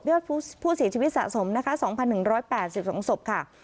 อดผู้เสียชีวิตสะสมนะคะ๒๑๘๒ศพค่ะ